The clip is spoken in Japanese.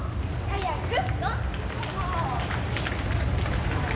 早く。